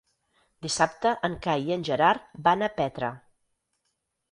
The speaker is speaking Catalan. Dissabte en Cai i en Gerard van a Petra.